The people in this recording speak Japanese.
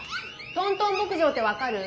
トントン牧場って分かる？